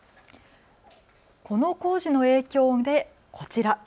この工事の影響で、こちら。